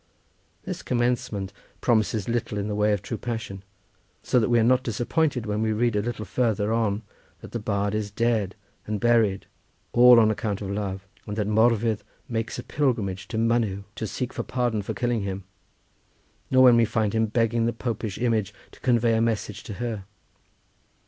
This commencement promises little in the way of true passion, so that we are not disappointed when we read a little farther on that the bard is dead and buried, all on account of love, and that Morfudd makes a pilgrimage to Mynyw to seek for pardon for killing him, nor when we find him begging the popish image to convey a message to her.